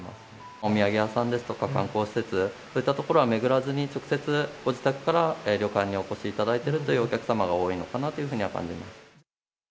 お土産屋さんですとか、観光施設、そういったところは巡らずに、直接ご自宅から旅館にお越しいただいているというお客様が多いのかなというふうには感じます。